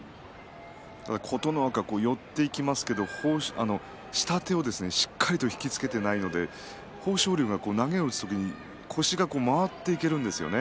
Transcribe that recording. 琴ノ若は寄っていきますけれども下手をしっかり引き付けてないので豊昇龍が投げを打つ時に腰が曲がっていてるんですよね。